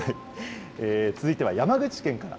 続いては山口県から。